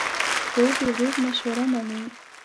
خور د ورور مشوره منې.